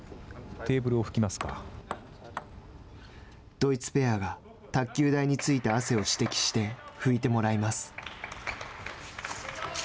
ドイツペアが卓球台についた汗を指摘して拭いてもらいます。